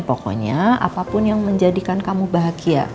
pokoknya apapun yang menjadikan kamu bahagia